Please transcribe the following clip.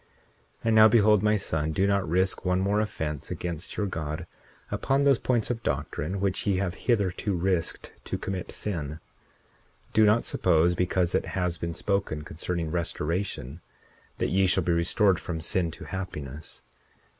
41:9 And now behold, my son, do not risk one more offense against your God upon those points of doctrine, which ye have hitherto risked to commit sin. 41:10 Do not suppose, because it has been spoken concerning restoration, that ye shall be restored from sin to happiness.